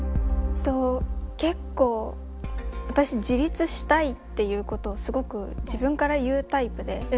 結構私自立したいっていうことをすごく自分から言うタイプで。